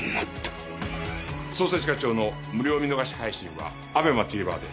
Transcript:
『捜査一課長』の無料見逃し配信はＡＢＥＭＡＴＶｅｒで。